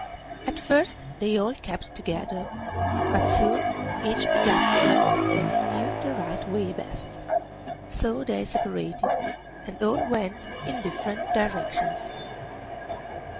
At first they all kept together, but soon each began to think that he knew the right way best; so they separated, and all went in different directions.